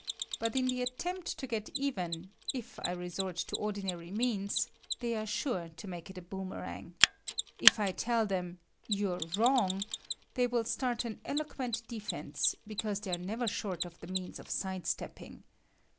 But in the attempt to get even, if I resort to ordinary means, they are sure to make it a boomerang. If I tell them, "You're wrong," they will start an eloquent defence, because they are never short of the means of sidestepping.